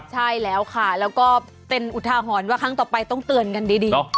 ใช่แล้วค่ะแล้วก็เป็นอุทาหรณ์ว่าครั้งต่อไปต้องเตือนกันดี